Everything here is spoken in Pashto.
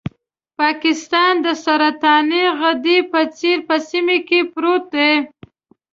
پاکستان د سرطاني غدې په څېر په سیمه کې پروت دی.